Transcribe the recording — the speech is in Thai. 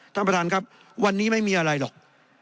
ท่านประธานครับวันนี้ไม่มีอะไรหรอก